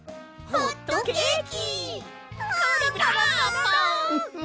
ホットケーキ！